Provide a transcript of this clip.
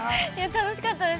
◆楽しかったです。